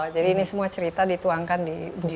jadi ini semua cerita dituangkan di bukunya ya